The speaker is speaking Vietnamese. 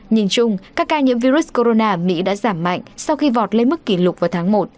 nhìn chung các ca nhiễm virus corona mỹ đã giảm mạnh sau khi vọt lên mức kỷ lục vào tháng một